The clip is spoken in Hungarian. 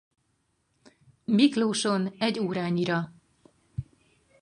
Miklóson egy órányira.